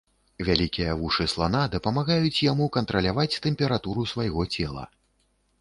Вялікія вушы слана дапамагаюць яму кантраляваць тэмпературу свайго цела.